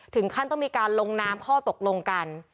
ถึงขั้นต้องมีการลงนามข้อตกลงกัน